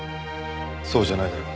そうじゃないだろ。